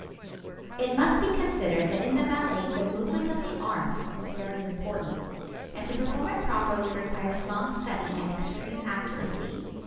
[Illustration: MARION CHAMBERS] It must be considered that in the ballet the movement of the arms is very important, and to perform it properly requires long study and extreme accuracy.